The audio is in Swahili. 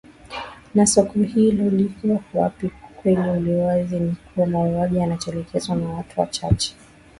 na soko hili liko wapiUkweli uliowazi ni kuwa mauaji yanatekelezwa na watu wachache